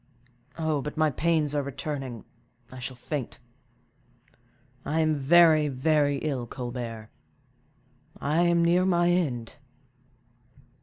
But my pains are returning, I shall faint. I am very, very ill, Colbert; I am near my end!"